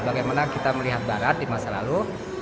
bagaimana kita melihat barat di masa lalu